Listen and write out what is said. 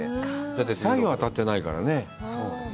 だって太陽が当たってないからね。